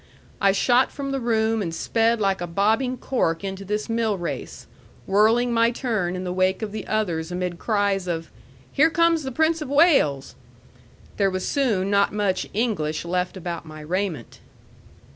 I shot from the room and sped like a bobbing cork into this mill race, whirling my turn in the wake of the others amid cries of, "Here comes the Prince of Wales!" There was soon not much English left about my raiment.